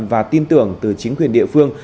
và tin tưởng từ chính quyền địa phương